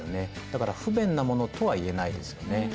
だから不便なものとはいえないですよね。